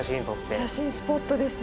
写真スポットですね。